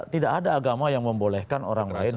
tidak ada agama yang membolehkan orang lain